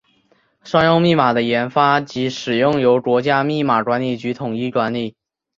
商用密码的研发及使用由国家密码管理局统一管理。